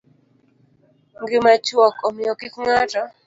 Ngima chuok, omiyo kik ng'ato